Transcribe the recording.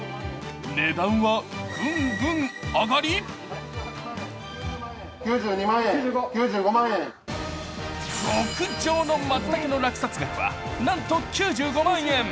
値段はグングン上がり極上のまつたけの落札額はなんと９５万円！